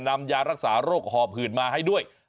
นำยารักษาโรคหอบหืดมาให้ด้วย